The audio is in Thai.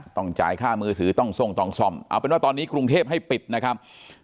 ต้องจ่ายค่ามือถือต้องทรงต้องซ่อมเอาเป็นว่าตอนนี้กรุงเทพให้ปิดนะครับ